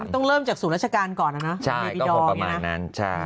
ต้องเริ่มจากศูนย์ราชการก่อนนะใช่แบบผมประมาณนั้นใช่